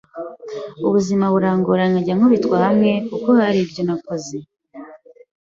ubuzima burangora nkajya nkubitwa hamwe kuko hari ibyo ntakoze